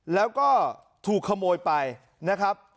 แล้วก็ถูกขโมยไปนะครับ